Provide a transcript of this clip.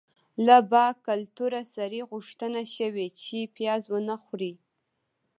له باکلتوره سړي غوښتنه شوې چې پیاز ونه خوري.